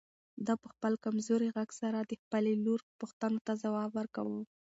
ده په خپل کمزوري غږ سره د خپلې لور پوښتنو ته ځواب ورکاوه.